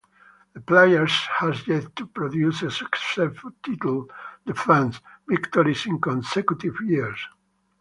The Players has yet to produce a successful title defense; victories in consecutive years.